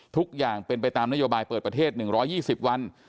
ทุกอย่างเป็นไปตามนโยบายเปิดประเทศ๑๒๐วัน